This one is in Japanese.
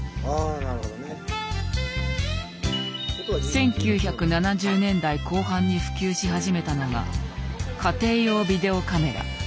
１９７０年代後半に普及し始めたのが家庭用ビデオカメラ。